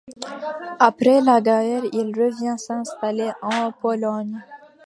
Après la guerre, il revient s’installer en Pologne.